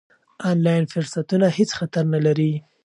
آنلاین فرصتونه هېڅ خطر نه لري.